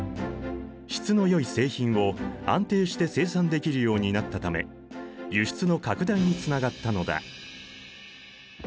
質のよい製品を安定して生産できるようになったため輸出の拡大につながったのだ。